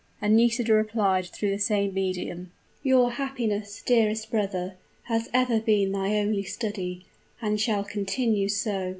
And Nisida replied through the same medium, "Your happiness, dearest brother, has ever been my only study, and shall continue so."